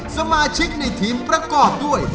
สมาชิกในทีมประกอบด้วย